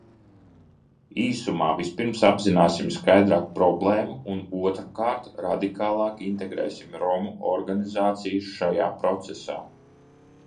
Īsumā, vispirms apzināsim skaidrāk problēmu un, otrkārt, radikālāk integrēsim romu organizācijas šajā procesā.